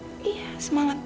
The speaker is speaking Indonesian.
iya semangat dong